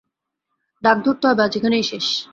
ডাক ধরতে হবে, আজ এখানেই শেষ।